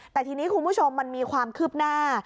แต่ทีนี้คุณผู้ชมมันมีความคืบหน้า